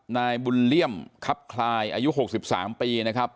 นายบุญเลี่ยมครับคลายอายุ๖๓ปีนะครับ